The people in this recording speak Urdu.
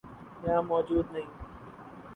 یہاں موجود نہیں۔